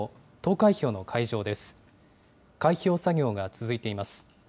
開票作業が続いています。